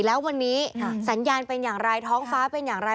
แล้ววันนี้สัญญาณเป็นอย่างไรท้องฟ้าเป็นอย่างไร